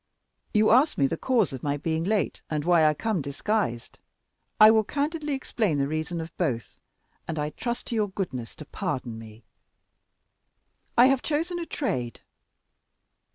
You asked me the cause of my being late, and why I come disguised. I will candidly explain the reason of both, and I trust to your goodness to pardon me. I have chosen a trade."